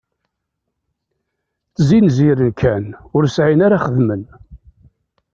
Ttzinziren kan, ur sεin ara xedmen.